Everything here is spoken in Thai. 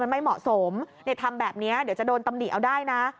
ไม่เหมาะสมทำแบบนี้เดี๋ยวจะโดนตำหนิเอาได้นะ